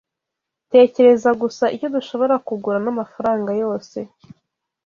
Tekereza gusa icyo dushobora kugura n'amafaranga yose.